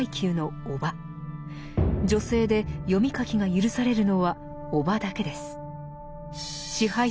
女性で読み書きが許されるのは小母だけです。